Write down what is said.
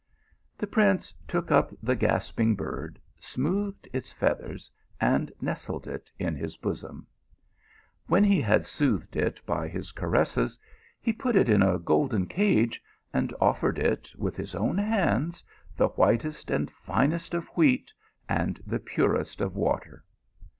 The prince took up the gasping bird, smoothed its feathers, and nestled it in his bosom. When he had soothed it by his caresses he put it in a golden cage, and offered it, with his own hands, the whitest and finest of wheat and the purest of water.